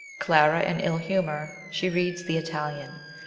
Clara in ill humour. She reads The Italian.